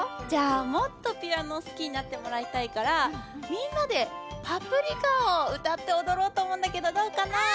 じゃあもっとピアノをすきになってもらいたいからみんなで「パプリカ」をうたっておどろうとおもうんだけどどうかな？